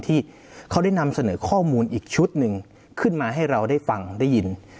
ที่เขาได้นำเสนอข้อมูลอีกชุดหนึ่งขึ้นมาให้เราได้ฟังได้ยิน